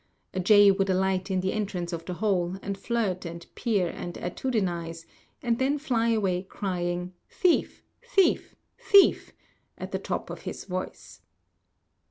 A jay would alight in the entrance of the hole, and flirt and peer and attitudinize, and then fly away crying "Thief, thief, thief," at the top of his voice.